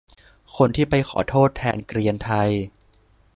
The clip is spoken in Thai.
คนที่ไปขอโทษแทนเกรียนไทย